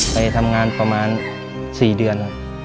ไปทำงานประมาณ๔เดือนครับ